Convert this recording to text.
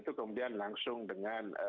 setelah itu kemudian langsung dengan paralimpiade